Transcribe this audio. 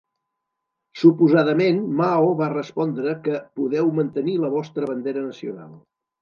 Suposadament Mao va respondre que "podeu mantenir la vostra bandera nacional".